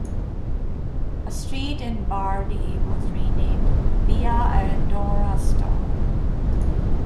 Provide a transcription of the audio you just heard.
A street in Bardi was renamed "Via Arandora Star".